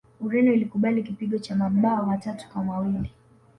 ureno ilikubali kipigo cha mabao matatu kwa mawili